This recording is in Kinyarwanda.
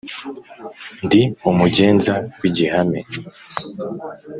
ndi umugenza w’igihame